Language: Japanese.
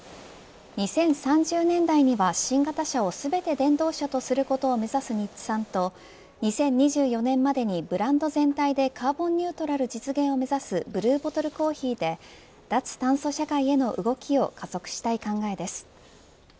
２０３０年代には新型車を全て電動車とすることを目指す日産と２０２４年までにブランド全体でカーボンニュートラル実現を目指すブルーボトルコーヒーで脱炭素社会の動きを加速したい考えです。